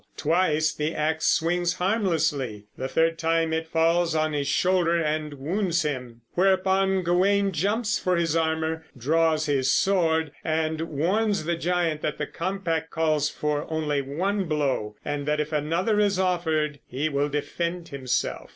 Twice the ax swings harmlessly; the third time it falls on his shoulder and wounds him. Whereupon Gawain jumps for his armor, draws his sword, and warns the giant that the compact calls for only one blow, and that, if another is offered, he will defend himself.